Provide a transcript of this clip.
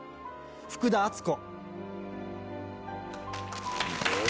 福田敦子。